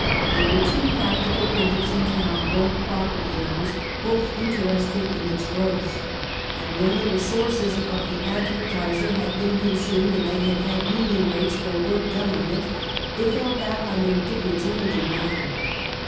There were two practical printers in town, both property owners, both interested in its growth, and when the resources of The Advertiser had been consumed and they had had union rates for work done on it, they fell back on their dignity and did nothing.